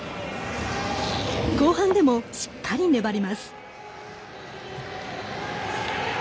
後半でもしっかり粘ります。